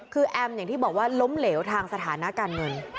คือแอมอย่างที่บอกว่าล้มเหลวทางสถานะการเงิน